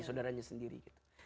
saudaranya sendiri gitu